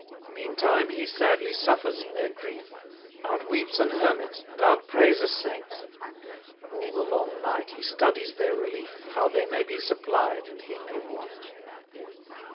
261 Meantime he sadly suffers in their grief, Out weeps an hermit, and out prays a saint: All the long night he studies their relief, How they may be supplied, and he may want.